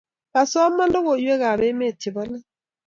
Kasoman logoiwek ab emet chepo let